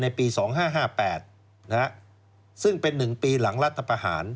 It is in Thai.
ในปี๒๕๕๘นะครับซึ่งเป็น๑ปีหลังรัฐประหาร